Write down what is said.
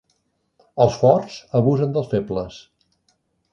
Els forts abusen dels febles.